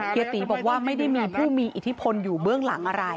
ตีบอกว่าไม่ได้มีผู้มีอิทธิพลอยู่เบื้องหลังอะไร